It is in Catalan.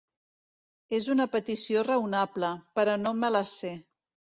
És una petició raonable, però no me la sé.